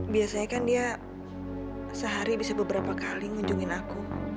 biasanya kan dia sehari bisa beberapa kali ngunjungin aku